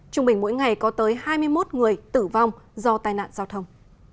trung bình mỗi ngày có tới hai mươi một người tử vong do tai nạn giao thông